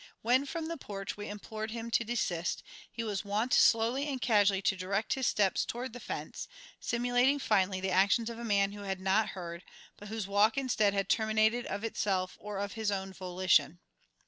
When from the porch we implored him to desist, he was wont slowly and casually to direct his steps toward the fence, simulating finely the actions of a man who had not heard, but whose walk, instead, had terminated of itself or of his own volition.